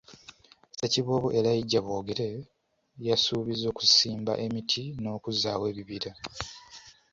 Ssekiboobo Elijah Boogere yasuubizza okusimba emiti n’okuzzaawo ebibira.